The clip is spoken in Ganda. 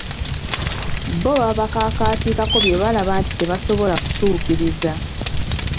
Bo babakakaatikako bye balaba nti tebasobola kutuukiriza.